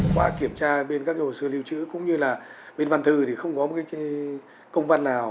quả kiểm tra bên các hồ sơ lưu trữ cũng như là bên văn thư thì không có công văn nào